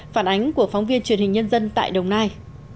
phản ánh của phóng viên truyền hình nhân dân tại đồng nai